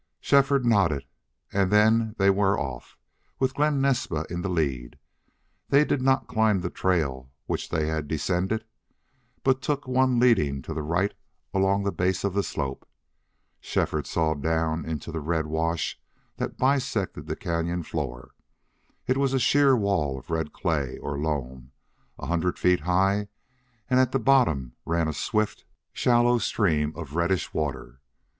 Shefford nodded and then they were off, with Glen Naspa in the lead. They did not climb the trail which they had descended, but took one leading to the right along the base of the slope. Shefford saw down into the red wash that bisected the cañon floor. It was a sheer wall of red clay or loam, a hundred feet high, and at the bottom ran a swift, shallow stream of reddish water.